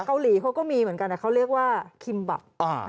เกาหลีเขาก็มีเหมือนกันเขาเรียกว่าคิมบับ